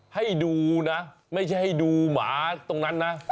ให้ดูนะไม่ใช่ให้ดูหมาตรงนั้นนะ